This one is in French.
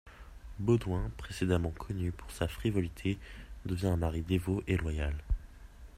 Baudouin, précédemment connu pour sa frivolité, devient un mari dévot et loyal.